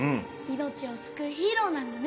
命を救うヒーローなんだね